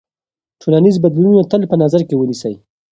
ټولنیز بدلونونه تل په نظر کې ونیسئ.